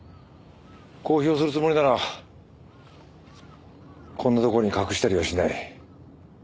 公表するつもりならこんなところに隠したりはしない。